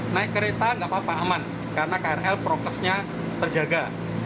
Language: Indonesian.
naik kereta nggak apa apa aman karena krl prokesnya terjaga